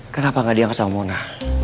kenapa gak diangkat sama muna